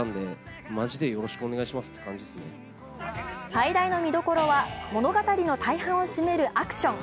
最大の見どころは、物語の大半を占めるアクション。